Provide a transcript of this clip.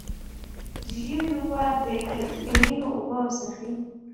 د ژیړي لپاره د ګنیو اوبه وڅښئ